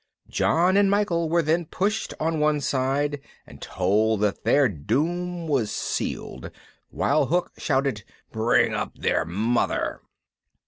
John and Michael were then pushed on one side and told that their doom was sealed, while Hook shouted, "Bring up their mother."